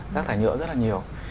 rác thải nhựa rất là nhiều